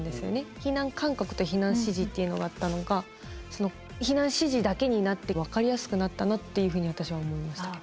避難勧告と避難指示っていうのがあったのが避難指示だけになって分かりやすくなったなっていうふうに私は思いましたけど。